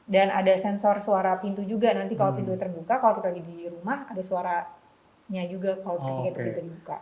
dan ada sensor suara pintu juga nanti kalau pintunya terbuka kalau kita lagi di rumah ada suaranya juga kalau pintunya terbuka